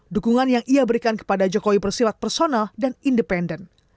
dukungan yang ia berikan kepada jokowi bersilat personal dan independen